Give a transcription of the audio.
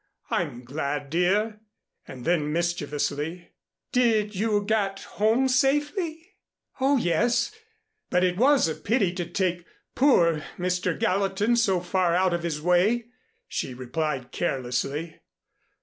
"I'm glad, dear." And then mischievously, "Did you get home safely?" "Oh, yes, but it was a pity to take poor Mr. Gallatin so far out of his way," she replied carelessly.